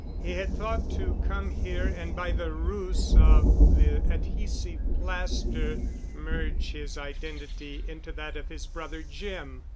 He had thought to come here and by the ruse of the adhesive plaster merge his identity into that of his brother Jim.